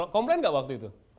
komplain gak waktu itu